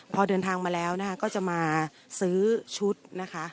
พอเดินทางมาแล้วนะคะก็จะมาซื้อชุดนะคะ